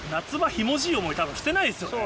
ひもじい思いたぶんしてないですよね。